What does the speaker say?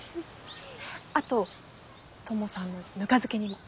あとトモさんのぬか漬けにも。